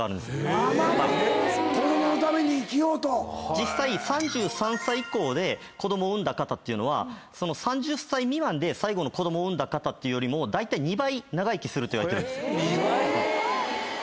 実際３３歳以降で子供生んだ方っていうのは３０歳未満で最後の子供生んだ方よりもだいたい２倍長生きするといわれてるんです。